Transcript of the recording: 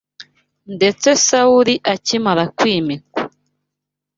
Ndetse Sawuli akimara kwimikwa